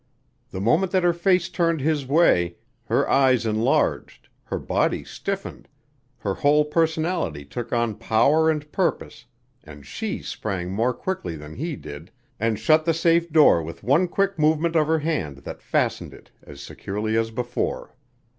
The moment that her face turned his way, her eyes enlarged, her body stiffened, her whole personality took on power and purpose and she sprang more quickly than he did and shut the safe door with one quick movement of her hand that fastened it as securely as before.